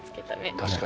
確かに。